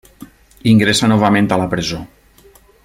Ingressa novament a la presó.